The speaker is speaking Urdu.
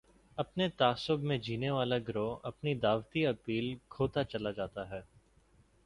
اپنے تعصب میں جینے والا گروہ اپنی دعوتی اپیل کھوتا چلا جاتا ہے۔